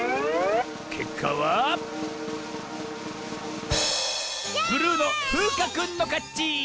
けっかはブルーのふうかくんのかち！